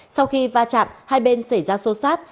sau khi va chạm hai bên xảy ra sâu sát